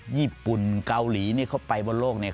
ญี่ปุ่นเกาหลีนี่เขาไปบนโลกเนี่ย